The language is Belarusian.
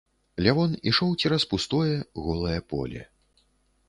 Лявон ішоў цераз пустое, голае поле.